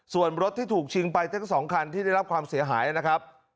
ส่วนรถที่ถูกชิงไปทั้ง๒คันที่ได้รับความเสียหายนะครับ